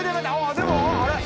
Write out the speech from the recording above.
でもあれ？